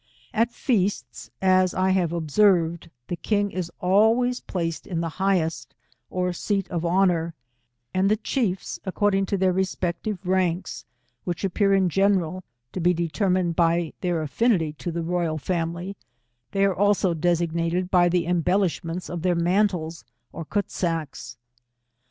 At feasts, as I have observed, the king is always placed in the highest, or seat of hon our, and the chiefs according to their respective ranks, which appear, in general, to be determined by their aflSoity to the royal family, they are also designated by the embellishments of their mantles, or Kutsaks.